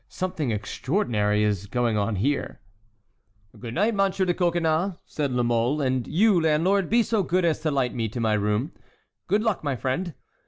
"Something extraordinary is going on here!" "Good night, Monsieur de Coconnas," said La Mole; "and you, landlord, be so good as to light me to my room. Good luck, my friend!"